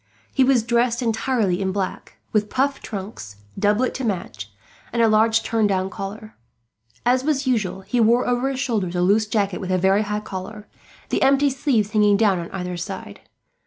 He was dressed entirely in black, with puffed trunks, doublet to match, and a large turned down collar. As was usual, he wore over his shoulders a loose jacket with a very high collar, the empty sleeves hanging down on either side.